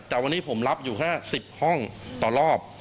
แต่วันนี้ผมรับอยู่แค่๑๐ห้องต่อรอบ